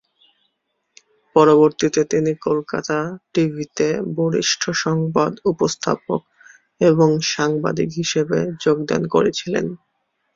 পরবর্তীতে তিনি কলকাতা টিভিতে বরিষ্ঠ সংবাদ উপস্থাপক এবং সাংবাদিক হিসাবে যোগদান করেছিলেন।